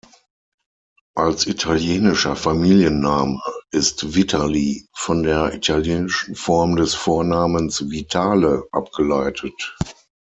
Als italienischer Familienname ist "Vitali" von der italienischen Form des Vornamens, Vitale, abgeleitet.